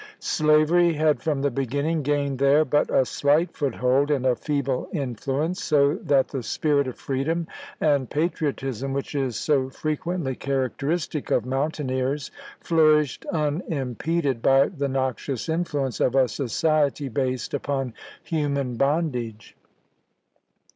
Slavery had from the beginning gained there but a slight foothold and a feeble influence, so that the spirit of freedom and patriotism, which is so fre quently characteristic of mountaineers, flourished unimpeded by the noxious influence of a society based upon human bondage.